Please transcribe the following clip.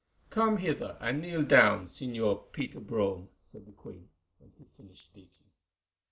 "Come hither and kneel down, Señor Peter Brome," said the queen when he had finished speaking.